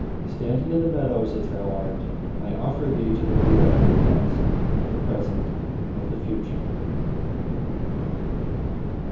Standing in the meadows as thou art, I offer thee to the Buddhas of the past, of the present, of the future."